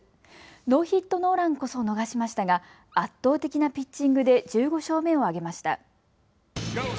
ノーヒットノーランこそ逃しましたが圧倒的なピッチングで１５勝目を挙げました。